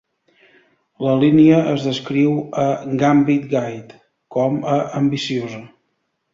La línia es descriu a "Gambit Guide" com a "ambiciosa".